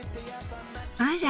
あら。